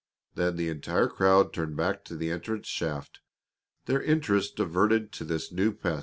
Then the entire crowd turned back to the entrance shaft, their interest diverted to this new pet.